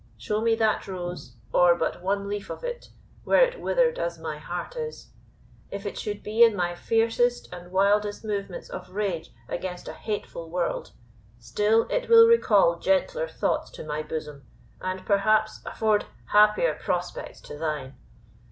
Show me that rose, or but one leaf of it, were it withered as my heart is if it should be in my fiercest and wildest movements of rage against a hateful world, still it will recall gentler thoughts to my bosom, and perhaps afford happier prospects to thine.